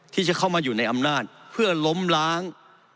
ที่จะเข้ามาอยู่ในอำนาจเพื่อล้มล้าง